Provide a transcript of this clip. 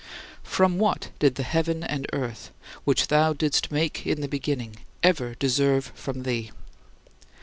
For what did the heaven and earth, which thou didst make in the beginning, ever deserve from thee?